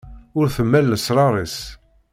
Ur temmal lesrar-is.